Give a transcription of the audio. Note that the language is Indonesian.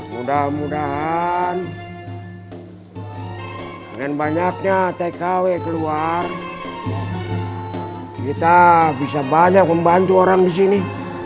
mudah mudahan dengan banyaknya tkw keluar kita bisa banyak membantu orang di sini